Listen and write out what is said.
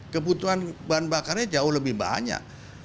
kebutuhan bahan bakarnya jauh lebih banyak